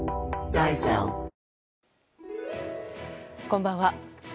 こんばんは。